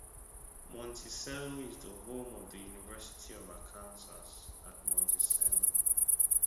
Monticello is the home of the University of Arkansas at Monticello.